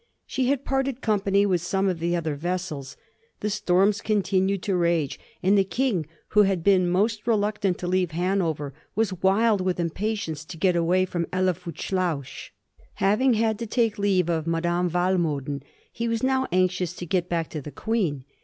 She had parted company with some of the other vessels. The storms continued to rage, and the King, who had been most re luctant to leave Hanover, was wild with impatience to get away from Helvoetsluis. Having had to take leave of Madame Walmoden, he was now anxious to get back to the Queen.